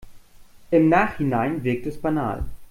Im Nachhinein wirkt es banal.